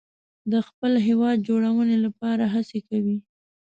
د خپل هیواد جوړونې لپاره هڅې کوي.